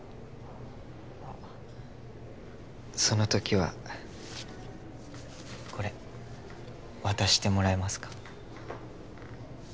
あっその時はこれ渡してもらえますか？